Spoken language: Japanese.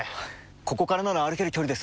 ここからなら歩ける距離です。